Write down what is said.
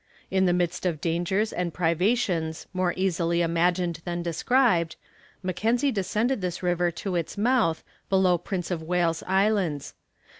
In the midst of dangers and privations more easily imagined than described, Mackenzie descended this river to its mouth, below Prince of Wales Islands.